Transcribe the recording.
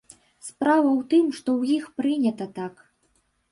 Справа ў тым, што ў іх прынята так.